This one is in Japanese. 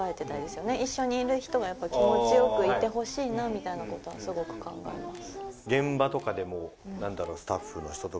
みたいなことはすごく考えます。